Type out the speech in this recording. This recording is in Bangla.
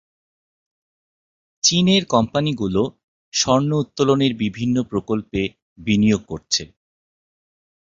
চীনের কোম্পানিগুলো স্বর্ণ উত্তোলনের বিভিন্ন প্রকল্পে বিনিয়োগ করছে।